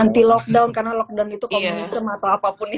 anti lockdown karena lockdown itu komunitas atau apapun itu